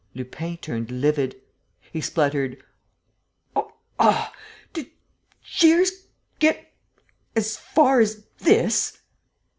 Lupin turned livid. He spluttered: "Oh, did Shears get ... as far as ... this?"